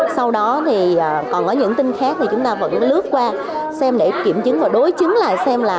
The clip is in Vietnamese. sau đó thì còn có những tin khác thì chúng ta vẫn lướt qua xem để kiểm chứng và đối chứng lại xem là